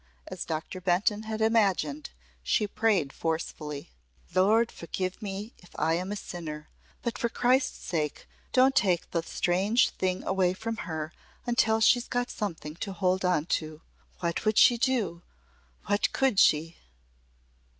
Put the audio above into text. As Doctor Benton had imagined, she prayed forcefully. "Lord, forgive me if I am a sinner but for Christ's sake don't take the strange thing away from her until she's got something to hold on to. What would she do What could she!"